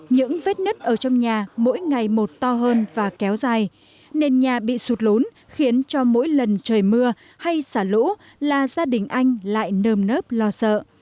những vết nứt ở trong nhà mỗi ngày một to hơn và kéo dài nền nhà bị sụt lốn khiến cho mỗi lần trời mưa hay xả lũ là gia đình anh lại nơm nớp lo sợ